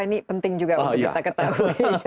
ini penting juga untuk kita ketahui